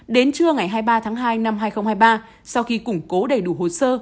đến trưa ngày hai mươi ba tháng hai năm hai nghìn hai mươi ba sau khi củng cố đầy đủ hồ sơ